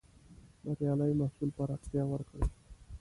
بریالي محصول پراختيا ورکړې.